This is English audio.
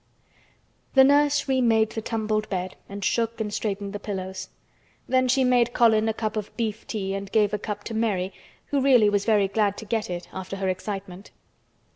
The nurse remade the tumbled bed and shook and straightened the pillows. Then she made Colin a cup of beef tea and gave a cup to Mary, who really was very glad to get it after her excitement.